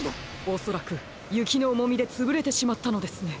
おそらくゆきのおもみでつぶれてしまったのですね。